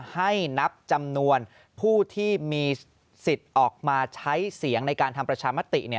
ให้นับจำนวนผู้ที่มีสิทธิ์ออกมาใช้เสียงในการทำประชามติ